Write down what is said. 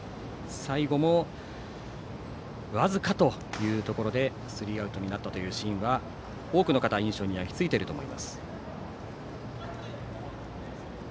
最後も僅かというところでスリーアウトになったシーンは多くの方の印象に焼きついていると思います。